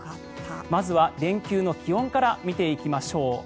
まずは連休の気温から見ていきましょう。